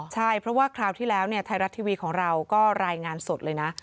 ใช่เพราะว่าคราวที่แล้วไทยรัฐทีวีของเราก็รายงานสดเลยนะ